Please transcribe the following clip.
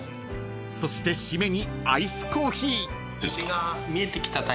［そして締めにアイスコーヒー］